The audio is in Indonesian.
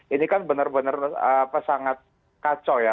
ini kan benar benar sangat kacau ya